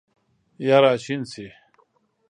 یا راشین شي